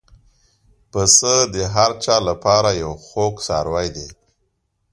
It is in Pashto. پسه د هر چا له پاره یو خوږ څاروی دی.